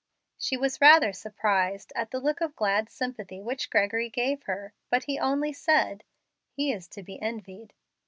'" She was rather surprised at the look of glad sympathy which Gregory gave her, but he only said, "He is to be envied."